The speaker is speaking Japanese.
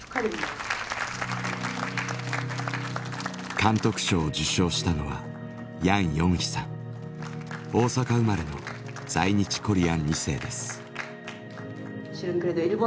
監督賞を受賞したのはヤンヨンヒさん大阪生まれの在日コリアン２世です。